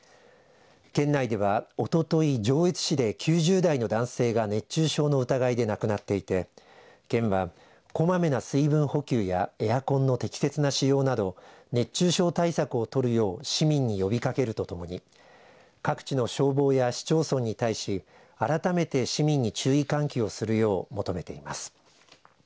県内では、おととい上越市で９０代の男性が熱中症の疑いで亡くなっていて県はこまめな水分補給やエアコンの適切な使用など熱中症対策を取るよう市民に呼びかけるとともに各地の消防や市町村に対し改めて市民に注意喚起をするよう求めています。